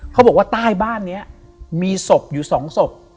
เขาบอกว่าใต้บ้านนี้มีศพอยู่๒ศพ